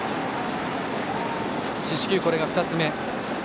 四死球、これが２つ目。